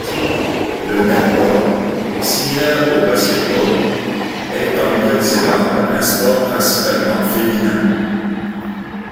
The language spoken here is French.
Le netball, similaire au basket-ball, est en Nouvelle-Zélande un sport principalement féminin.